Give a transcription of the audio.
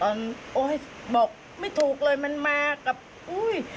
มันโอ้ยบอกไม่ถูกเลยมันมากับอุ้ย